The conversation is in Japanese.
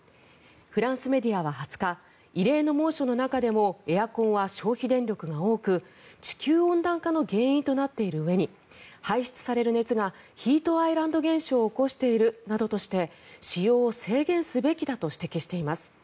フランスメディアは２０日異例の猛暑の中でもエアコンは消費電力が多く地球温暖化の原因となっているうえに排出される熱がヒートアイランド現象を起こしているなどとして使用を制限すべきだと指摘しています。